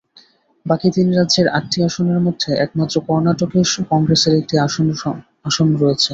বাকি তিন রাজ্যের আটটি আসনের মধ্যে একমাত্র কর্ণাটকে কংগ্রেসের একটি আসন রয়েছে।